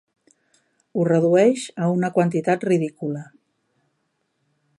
Ho redueix a una quantitat ridícula.